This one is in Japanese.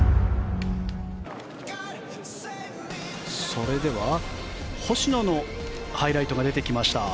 それでは星野のハイライトが出てきました。